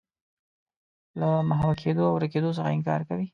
له محوه کېدو او ورکېدو څخه انکار کوي.